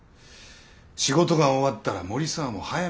仕事が終わったら森澤も早めに帰れ。